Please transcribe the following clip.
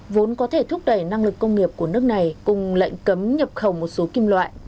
vốn có thể thúc đẩy năng lực công nghiệp của nước này cùng lệnh cấm nhập khẩu một số kim loại